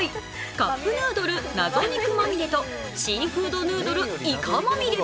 カップヌードル謎肉まみれとシーフードヌードルイカまみれ。